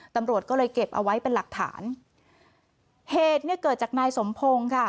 ตำรวจก็เลยเก็บเอาไว้เป็นหลักฐานเหตุเนี่ยเกิดจากนายสมพงศ์ค่ะ